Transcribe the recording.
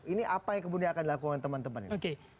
ini apa yang kemudian akan dilakukan teman teman ini